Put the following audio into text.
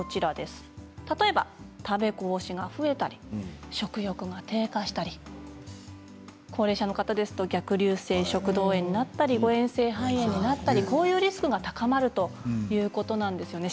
例えば、食べこぼしが増えたり食欲が低下したり高齢者の方ですと逆流性食道炎になったり誤えん性肺炎になったりこういうリスクが高まるということなんですよね。